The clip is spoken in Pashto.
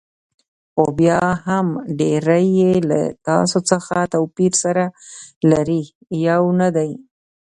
خو بیا هم ډېری یې له تاسو څخه توپیر سره لري، یو نه دي.